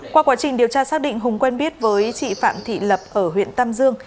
qua quá trình điều tra xác định hùng quen biết với chị phạm thị lập ở huyện tam dương